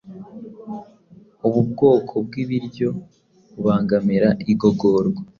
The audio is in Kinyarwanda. ubu bwoko bw’ibiryo bibangamira igogorwa,